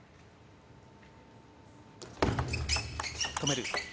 止める。